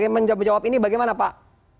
menjawab ini bagaimana pak